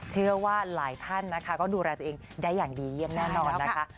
เชื่อว่าหลายท่านนะคะก็ดูแลตัวเองได้อย่างดีเยี่ยมแน่นอนนะคะ